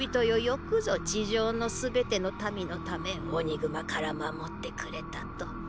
よくぞ地上の全ての民のためオニグマから守ってくれたと。